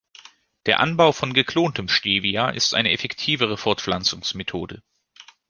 Der Anbau von geklontem Stevia ist eine effektivere Fortpflanzungsmethode.